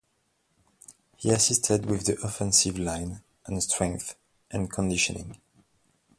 He assisted with the offensive line and strength and conditioning.